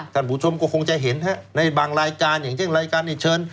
ท่านผู้ชมก็คงจะเห็นในบางรายการอย่างเช่นรายการนี้เชิญ